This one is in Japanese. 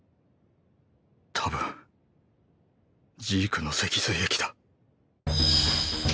多分ジークの脊髄液だ。